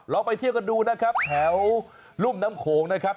ไปเที่ยวกันดูนะครับแถวรุ่มน้ำโขงนะครับ